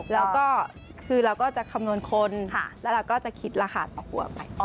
แล้วก็คือทำบทคำนวณคนแล้วก็จะคิดราคาต่อหัว